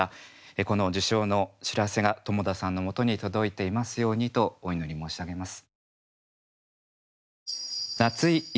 この受賞の知らせが友田さんのもとに届いていますようにとお祈り申し上げます。